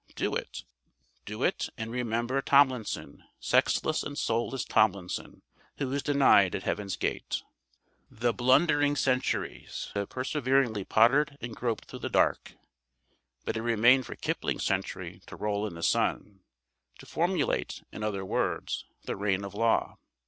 Do it. Do it and remember Tomlinson, sexless and soulless Tomlinson, who was denied at Heaven's gate. The blundering centuries have perseveringly pottered and groped through the dark; but it remained for Kipling's century to roll in the sun, to formulate, in other words, the reign of law.